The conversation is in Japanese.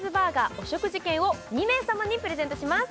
お食事券を２名様にプレゼントします